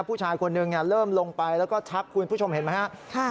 ผู้ชายคนหนึ่งเริ่มลงไปแล้วก็ชักคุณผู้ชมเห็นไหมครับ